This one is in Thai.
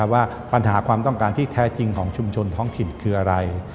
ว่าปัญหาความต้องการที่แท้จริงของชุมชนท้องถิ่นคืออะไร